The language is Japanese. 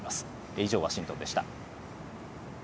以上、ワシントンでした。